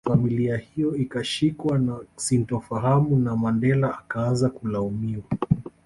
Familia hiyo ikashikwa na sintofahamu na Mandela akaanza kulaumiwa